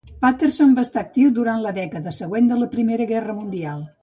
Patterson va estar actiu durant la dècada següent a la Primera Guerra Mundial.